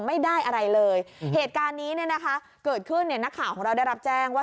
ไม่ได้อะไรเลยเหตุการณ์นี้เนี่ยนะคะเกิดขึ้นเนี่ยนักข่าวของเราได้รับแจ้งว่า